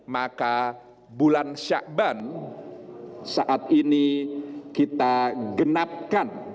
maka bulan syakban saat ini kita genapkan